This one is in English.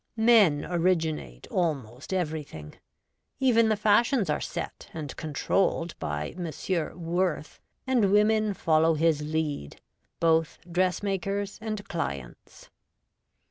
Men originate almost everything ; even the fashions are set and controlled by M. Worth, and women follow his lead, both dressmakers and clients.